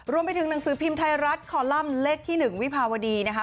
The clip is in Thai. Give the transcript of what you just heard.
รวมไปถึงหนังสือพิมพ์ไทยรัฐคอลัมป์เลขที่๑วิภาวดีนะคะ